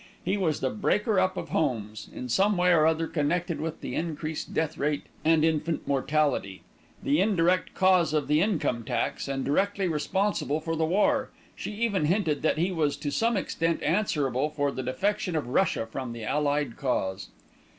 He was the breaker up of homes, in some way or other connected with the increased death rate and infant mortality, the indirect cause of the Income Tax and directly responsible for the war; she even hinted that he was to some extent answerable for the defection of Russia from the Allied cause.